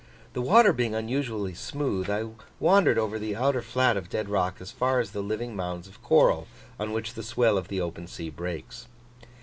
The water being unusually smooth, I waded over the outer flat of dead rock as far as the living mounds of coral, on which the swell of the open sea breaks.